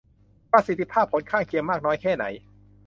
ประสิทธิภาพผลข้างเคียงมากน้อยแค่ไหน